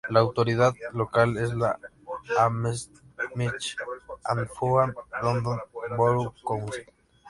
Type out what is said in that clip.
La autoridad local es el Hammersmith and Fulham London Borough Council.